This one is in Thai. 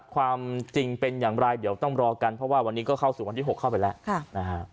ความจริงเป็นอย่างไรเดี๋ยวต้องรอกันเพราะว่าวันนี้ก็เข้าสู่วันที่๖เข้าไปแล้วนะฮะ